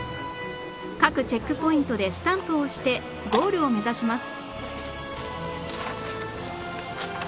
各チェックポイントでスタンプを押してゴールを目指します